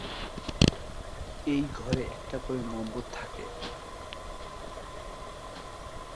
এই প্রত্যেক ঘরে একটা করে নম্বর থাকে।